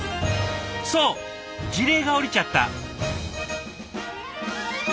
そう辞令が下りちゃった。